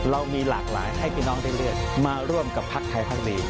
เรามีหลากหลายให้พี่น้องได้เลือกมาร่วมกับพักไทยพักดี